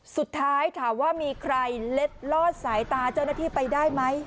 สุดท้ายถามว่ามีใครเล็ดลอดสายตาเจ้าหน้าที่ไปได้ไหม